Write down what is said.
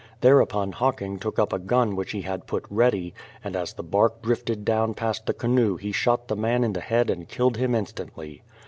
Thereupon Hocking took up a gun which he had put ready, and as the bark drifted down past the canoe he shot the man in the head and killed him instantly.